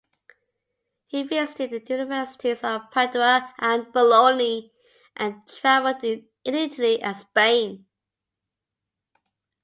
He visited the universities of Padua and Bologna, and traveled in Italy and Spain.